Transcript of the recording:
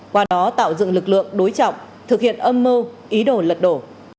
qua đó tạo dựng lực lượng đối trọng thực hiện âm mưu ý đồ lật đổ